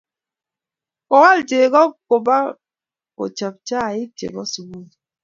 koal chego kobak kochob chaik che bo subui.